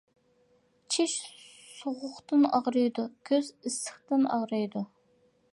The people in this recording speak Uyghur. چىش سوغۇقتىن ئاغرىيدۇ، كۆز ئىسسىقتىن ئاغرىيدۇ.